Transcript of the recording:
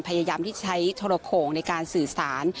พยายามที่ใช้โทรโขงในการสื่อสาร